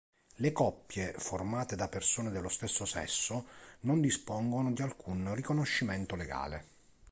Le coppie formate da persone dello stesso sesso non dispongono di alcun riconoscimento legale.